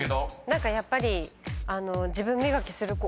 何かやっぱり。